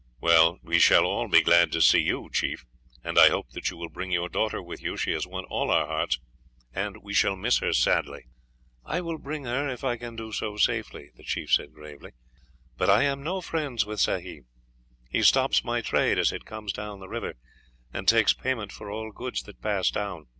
"Well, we shall all be glad to see you, chief, and I hope that you will bring your daughter with you. She has won all our hearts, and we shall miss her sadly." "I will bring her if I can do so safely," the chief said gravely; "but I am no friends with Sehi; he stops my trade as it comes down the river, and takes payment for all goods that pass down.